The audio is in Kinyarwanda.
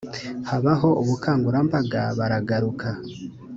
habaho ubukangurambaga baragaruka